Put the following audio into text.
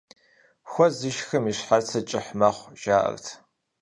Хуэ зышхым и щхьэцыр кӀыхь мэхъу, жаӀэрт.